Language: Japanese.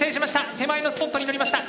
手前のスポットに乗りました。